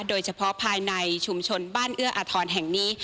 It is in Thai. โดยเฉพาะภายในชุมชนบ้านเอื้ออาทรแห่งนี้